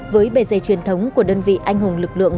với bề dây truyền thống của đơn vị anh hùng lực lượng